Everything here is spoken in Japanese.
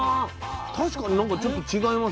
確かに何かちょっと違いますよやっぱり。